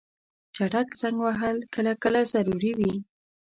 چټک زنګ وهل کله کله ضروري وي.